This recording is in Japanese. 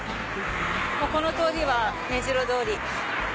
この通りは目白通り。